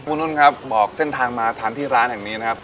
คุณนุ่นครับบอกเส้นทางมาทานที่ร้านแห่งนี้นะครับ